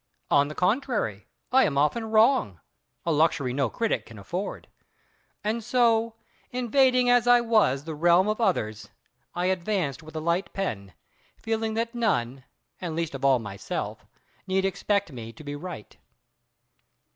On the contrary, I am often wrong —a luxury no critic can afford. And so, invading as I was the realm of others, I advanced with a light pen, feeling that none, and least of all myself, need expect me to be right.